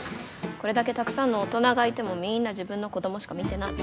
これだけたくさんの大人がいてもみんな自分の子供しか見てない。